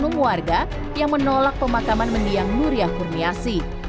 maknum warga yang menolak pemakaman mendiang nuriyah kurniasi